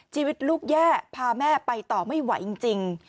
ชีวิตลูกแย่พาแม่ไปต่อไม่ไหวจริง